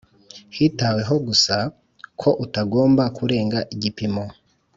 hitaweho gusa ko utagomba kurenga igipimo